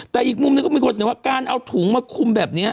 แต่อีกมุมหนึ่งก็มีคนเสนอว่าการเอาถุงมาคุมแบบนี้